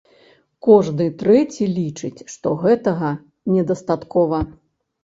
Кожны трэці лічыць, што гэтага недастаткова.